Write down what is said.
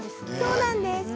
そうなんです。